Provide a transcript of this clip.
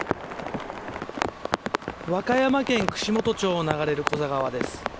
和歌山県串本町を流れる古座川です。